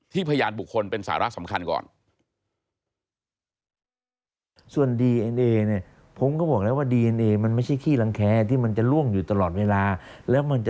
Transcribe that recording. พยานบุคคลเป็นสาระสำคัญก่อน